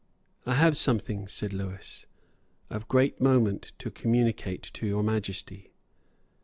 "I have something," said Lewis, "of great moment to communicate to Your Majesty."